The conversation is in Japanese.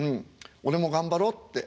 俺も頑張ろうって。